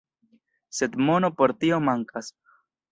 Sed mono por tio mankas.